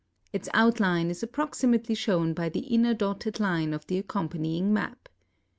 Its outline is approximately shown by the inner dotted line of the accompanying map.